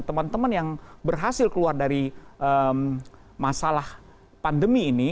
teman teman yang berhasil keluar dari masalah pandemi ini